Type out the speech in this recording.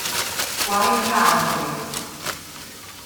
Wine Country